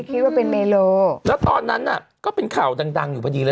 คิดว่าเป็นเมโลแล้วตอนนั้นน่ะก็เป็นข่าวดังดังอยู่พอดีเลย